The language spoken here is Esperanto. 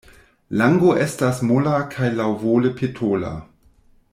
Lango estas mola kaj laŭvole petola.